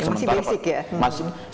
masih basic ya